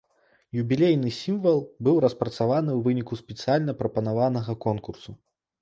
Юбілейны сімвал быў распрацаваны ў выніку спецыяльна прапанаванага конкурсу.